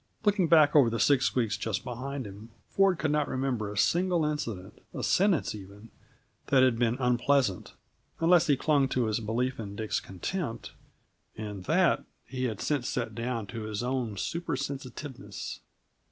Looking back over the six weeks just behind him, Ford could not remember a single incident a sentence, even that had been unpleasant, unless he clung to his belief in Dick's contempt, and that he had since set down to his own super sensitiveness.